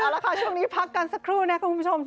เอาละค่ะช่วงนี้พักกันสักครู่นะคุณผู้ชม